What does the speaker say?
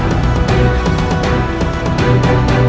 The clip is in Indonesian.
kenapa kalian menyerang kami